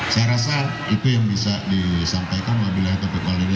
saya rasa itu yang bisa disampaikan oleh dprn